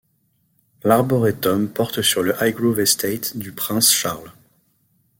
L'Arboretum porte sur le Highgrove Estate du Prince Charles.